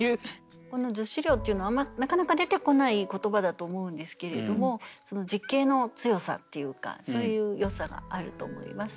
この「女子寮」というのはなかなか出てこない言葉だと思うんですけれどもその実景の強さっていうかそういうよさがあると思います。